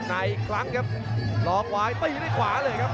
ในอีกครั้งครับลองวายตีด้วยขวาเลยครับ